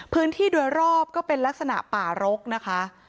พื้นที่โดยรอบก็เป็นลักษณะป่ารกนะคะ